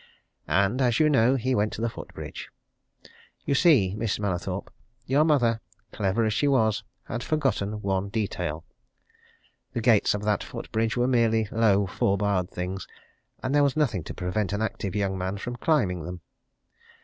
And, as you know, he went to the foot bridge. You see, Miss Mallathorpe, your mother, clever as she was, had forgotten one detail the gates of that footbridge were merely low, four barred things, and there was nothing to prevent an active young man from climbing them.